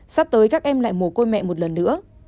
sắp tới các em lại mổ côi mẹ một lần nữa